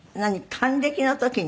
還暦の時に。